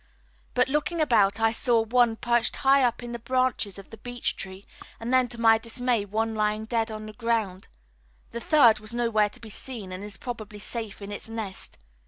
But looking about I saw one perched high up in the branches of the beech tree, and then to my dismay one lying dead on the ground. The third was nowhere to be seen, and is probably safe in its nest.